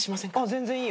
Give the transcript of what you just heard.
全然いいよ。